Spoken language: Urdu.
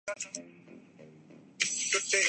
پرہیز علاج سے بہتر ہے۔